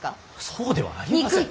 そうではありません。